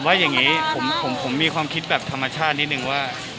ว่าอย่างนี้ผมมีความคิดแบบธรรมชาตินิดนึงว่า